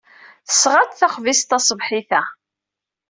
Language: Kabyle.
Tesɣa-d taxbizt taṣebḥit-a.